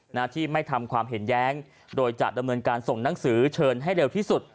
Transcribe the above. หน้าที่ไม่ทำความเห็นแย้งโดยจะดำเนินการส่งหนังสือเชิญให้เร็วที่สุด